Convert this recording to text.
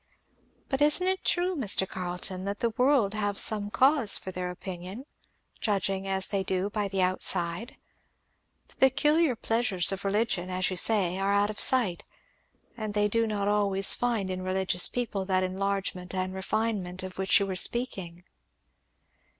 "But isn't it true, Mr. Carleton, that the world have some cause for their opinion? judging as they do by the outside? The peculiar pleasures of religion, as you say, are out of sight, and they do not always find in religious people that enlargement and refinement of which you were speaking."